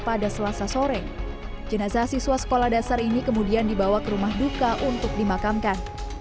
pada selasa sore jenazah siswa sekolah dasar ini kemudian dibawa ke rumah duka untuk dimakamkan